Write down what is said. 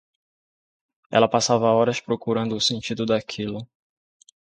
Ela passava horas procurando o sentido daquilo.